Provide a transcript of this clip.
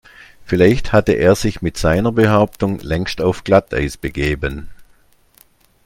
Vielleicht hatte er sich mit seiner Behauptung längst auf Glatteis begeben.